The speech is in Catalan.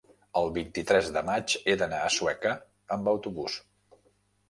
El vint-i-tres de maig he d'anar a Sueca amb autobús.